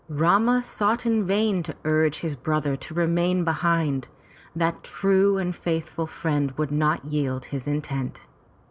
Rama sought in vain to urge his brother to remain behind. That true and faithful friend would not yield his intent.